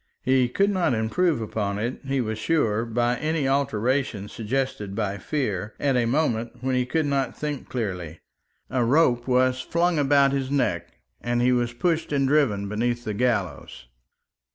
He could not improve upon it, he was sure, by any alteration suggested by fear, at a moment when he could not think clearly. A rope was flung about his neck, and he was pushed and driven beneath the gallows.